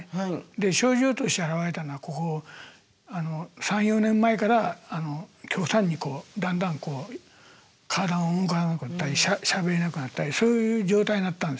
で症状として現れたのはここ３４年前から極端にだんだん体が動かなくなったりしゃべれなくなったりそういう状態になったんですよ。